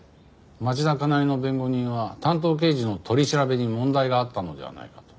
町田加奈江の弁護人は担当刑事の取り調べに問題があったのではないかと。